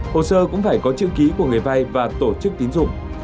hồ sơ cũng phải có chữ ký của người vay và tổ chức tín dụng